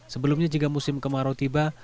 sebelumnya jika musim kemarau tiba